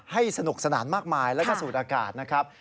สนุกสนานมากมายแล้วก็สูดอากาศนะครับ